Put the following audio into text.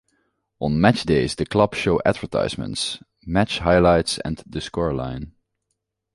On Match-Days the club show advertisements, match highlights and the scoreline.